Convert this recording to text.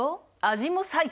味も最高。